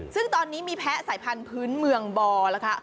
ซึ่งตอนนี้มีแพ้สายพันธุ์พื้นเมืองบ่อแล้วค่ะ